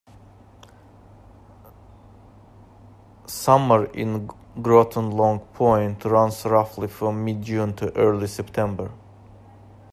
Summer in Groton Long Point runs roughly from mid-June to early September.